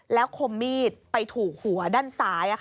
แล้วคมมีดไปถูกหัวด้านซ้าย